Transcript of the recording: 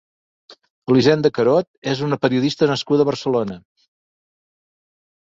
Elisenda Carod és una periodista nascuda a Barcelona.